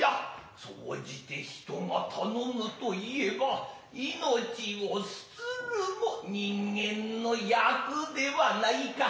総じて人が頼むと言へば命を捨つるも人間の役ではないか。